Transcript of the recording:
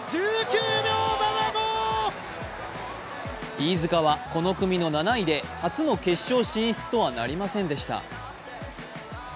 飯塚はこの組の７位で初の決勝進出とはなりませんでした。